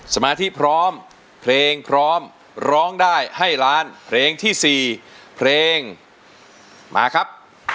สมาธิพร้อมเพลงพร้อมร้องได้ให้ล้านเพลงที่๔เพลงมาครับ